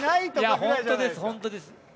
本当です、本当です。